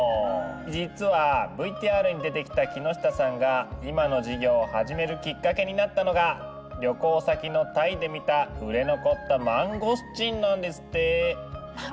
実はＶＴＲに出てきた木下さんが今の事業を始めるきっかけになったのが旅行先のタイで見た売れ残ったマンゴスチンなんですって。